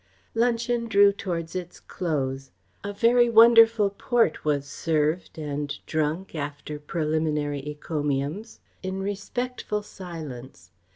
Luncheon drew towards its close. A very wonderful port was served and drunk, after preliminary encomiums, in respectful silence.